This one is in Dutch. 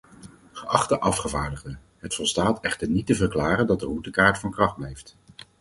Geachte afgevaardigden, het volstaat echter niet te verklaren dat de routekaart van kracht blijft.